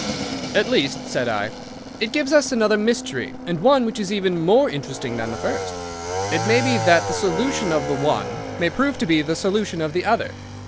"'At least,' said I, 'it gives us another mystery, and one which is even more interesting than the first. It may be that the solution of the one may prove to be the solution of the other.